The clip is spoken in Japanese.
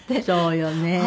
そうよね。